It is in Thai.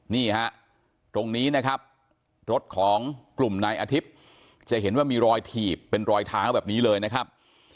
นี่ฮะตรงนี้นะครับรถของกลุ่มนายอาทิตย์จะเห็นว่ามีรอยถีบเป็นรอยเท้าแบบนี้เลยนะครับ